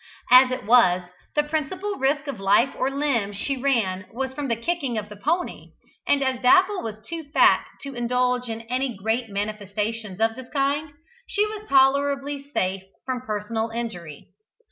As it was, the principal risk of life or limb she ran was from the kicking of the pony and as Dapple was too fat to indulge in any great manifestations of this kind, she was tolerably safe from personal injury.